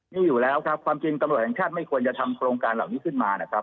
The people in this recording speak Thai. นี่อยู่แล้วครับความจริงตำรวจแห่งชาติไม่ควรจะทำโครงการเหล่านี้ขึ้นมานะครับ